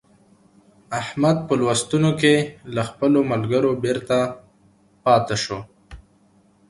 احمد په لوستونو کې له خپلو ملګرو بېرته پاته شو.